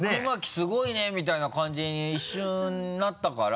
すごいねみたいな感じに一瞬なったから。